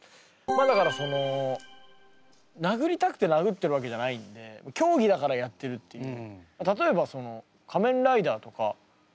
まあだからその殴りたくて殴ってるわけじゃないんで競技だからやってるっていう。